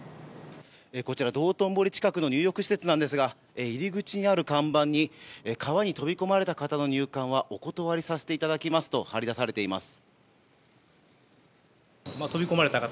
こちら道頓堀近くの入浴施設なんですが入り口にある看板に川に飛び込まれた方の入館はお断りさせていただきますと貼りだされています。